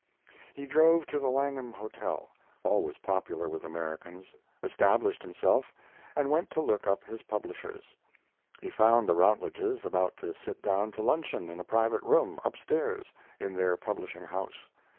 He drove to the Langham Hotel, always popular with Americans, established himself, and went to look up his publishers. He found the Routledges about to sit down to luncheon in a private room, up stairs, in their publishing house.